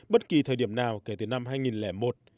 bất kỳ thời điểm nào kể từ năm hai nghìn một